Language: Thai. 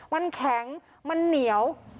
มันแข็งมันเหนียว